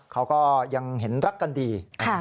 เขาก็ยังเห็นรักกันดี